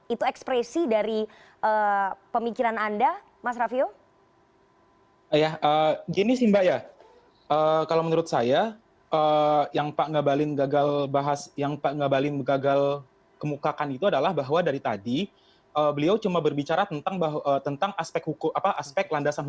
itu ekspresi dari pemikiran anda